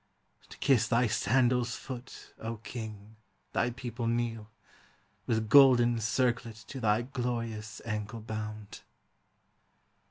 To kiss thy sandal's foot, O King, thy people kneel, With golden circlet to thy glorious ankle bound.